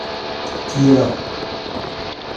Qui est là ?